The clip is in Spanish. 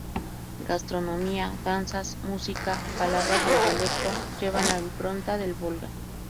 Gastronomía, danzas, música, palabras del dialecto, llevan la impronta del Volga.